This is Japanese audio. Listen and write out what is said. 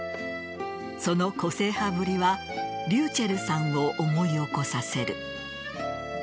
その個性派ぶりはｒｙｕｃｈｅｌｌさんを思い起こさせる。